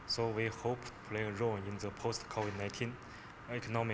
kami berharap akan memiliki peran dalam penyelamat ekonomi